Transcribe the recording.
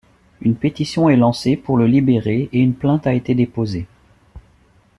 Une pétition est lancée pour le libérer et une plainte a été déposée.